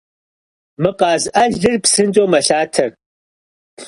Мы къаз ӏэлыр псынщӏэу мэлъатэр.